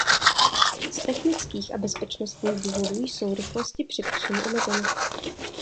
Z technických a bezpečnostních důvodů jsou rychlosti při posunu omezeny.